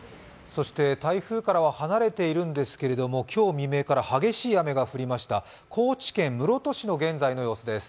そして台風からは離れているんですけど、今日未明から激しい雨が降りました高知県室戸市の現在の様子です。